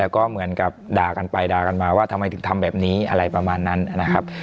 ก็เหมือนกับด่ากันไปด่ากันมาว่าทำไมถึงทำแบบนี้อะไรประมาณนั้นนะครับ